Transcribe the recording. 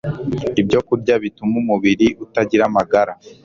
ibyokurya bituma umubiri utagira amagara